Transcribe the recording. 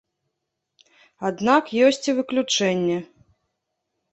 Аднак ёсць і выключэнне.